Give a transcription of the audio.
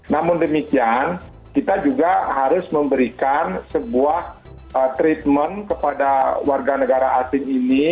namun demikian kita juga harus memberikan sebuah treatment kepada warga negara asing ini